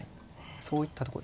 そういったとこですね。